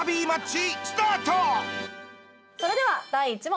それでは第１問。